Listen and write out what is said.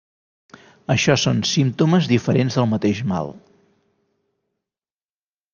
Això són símptomes diferents del mateix mal.